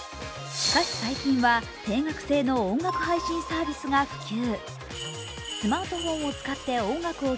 しかし最近は定額制の音楽配信サービスが普及。